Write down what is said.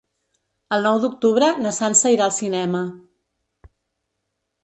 El nou d'octubre na Sança irà al cinema.